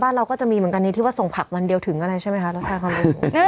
บ้านเราก็จะมีเหมือนกันนี้ที่ว่าส่งผักวันเดียวถึงก็ได้ใช่ไหมคะรถไฟความเร็วสูง